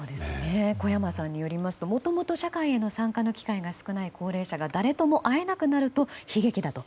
小山さんによりますともともと社会への参加の機会が少ない高齢者が誰とも会えなくなると悲劇だと。